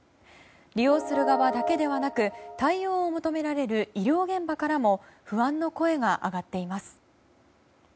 利用する側だけではなく対応を求められる医療現場からも不安の声が上がっています。